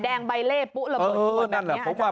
ถ้าอยู่ดันเล่ปุ่ระเบิดณิดหนึ่งกว่าแบบเนี้ย